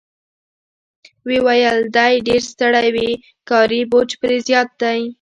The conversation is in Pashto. ویې ویل: دی ډېر ستړی وي، کاري بوج پرې زیات دی.